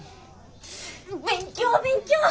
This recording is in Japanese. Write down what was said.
勉強勉強！